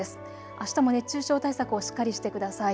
あしたも熱中症対策、しっかりしてください。